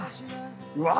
うわ！